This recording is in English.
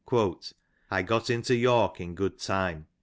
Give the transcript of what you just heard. '^ I got into York in good time.